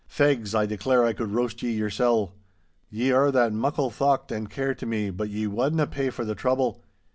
Fegs, I declare I could roast ye yoursel'. Ye are that muckle thocht and care to me, but ye wadna pay for the trouble.